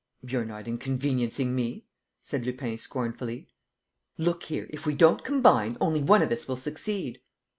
"You're not inconveniencing me," said Lupin, scornfully. "Look here! If we don't combine, only one of us will succeed."